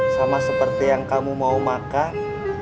sama seperti yang kamu mau makan